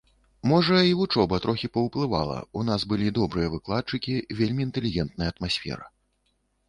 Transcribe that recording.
Можа, і вучоба трохі паўплывала, у нас былі добрыя выкладчыкі, вельмі інтэлігентная атмасфера.